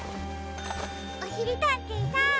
おしりたんていさん。